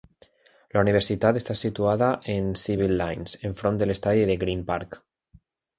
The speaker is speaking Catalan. La universitat està situada en Civil Lines, enfront de l'estadi de Green Park.